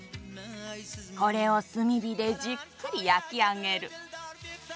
これを炭火でじっくり焼き上げる。